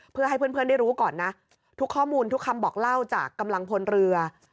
เพื่อให้เพื่อนได้รู้ก่อนนะทุกข้อมูลทุกคำบอกเล่าจากกำลังพลเรือ